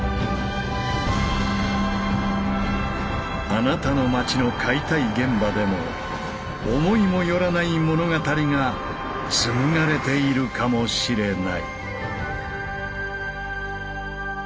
あなたの街の解体現場でも思いも寄らない物語が紡がれているかもしれない。